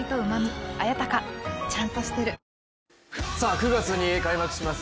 ９月に開幕します